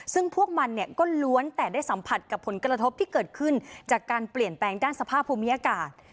ซึ่งพวกมันเนี่ยก็ล้วนแต่ได้สัมผัสกับผลกระทบที่เกิดขึ้นจากการเปลี่ยนแปลงด้านสภาพภูมิอากาศ